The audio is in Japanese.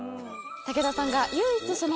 武田さんが。